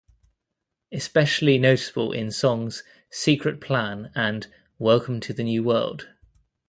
Especially noticeable in songs "Secret Plan" and "Welcome to the New World".